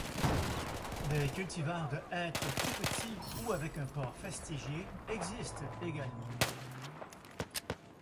Des cultivars de hêtre plus petits ou avec un port fastigié existent également.